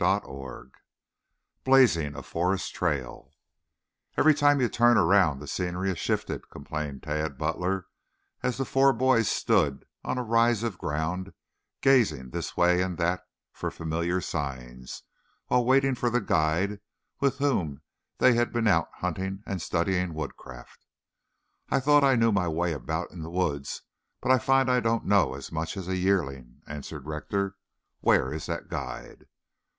CHAPTER X BLAZING A FOREST TRAIL "Every time you turn around the scenery has shifted," complained Tad Butler, as the four boys stood on a rise of ground gazing this way and that for familiar signs, while waiting for the guide, with whom they had been out hunting and studying woodcraft. "I thought I knew my way about in the woods, but I find I don't know as much as a yearling," answered Rector. "Where is that guide?"